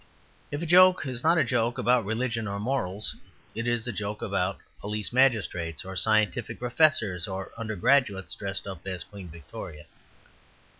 If a joke is not a joke about religion or morals, it is a joke about police magistrates or scientific professors or undergraduates dressed up as Queen Victoria.